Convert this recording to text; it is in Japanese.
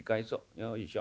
よいしょ。